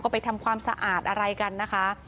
ไปทำความสะอาดอะไรกันนะคะ